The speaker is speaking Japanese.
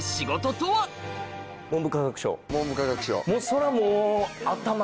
そらもう。